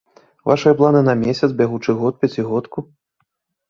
Вашыя планы на месяц, бягучы год, пяцігодку?